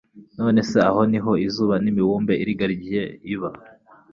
None se aho ni ho izuba n'imibumbe irigaragiye biba